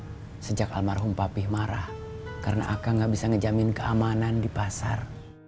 di sana sejak almarhum papih marah karena akan nggak bisa ngejamin keamanan di pasar